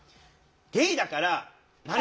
「ゲイだから○○」。